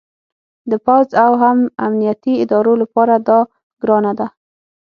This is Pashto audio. د پوځ او هم امنیتي ادارو لپاره دا ګرانه ده